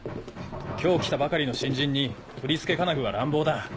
今日来たばかりの新人に取り付け金具は乱暴だ。